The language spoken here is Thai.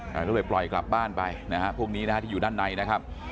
แล้วไปปล่อยกลับบ้านไปพวกนี้ที่อยู่ด้านในนะครับ